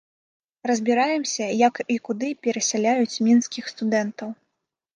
Разбіраемся, як і куды перасяляюць мінскіх студэнтаў.